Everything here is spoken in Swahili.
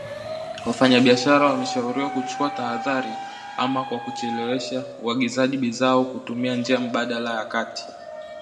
Wafanyabiashara wameshauriwa kuchukua tahadhari, ama kwa kuchelewesha uagizaji bidhaa au kutumia njia mbadala ya kati.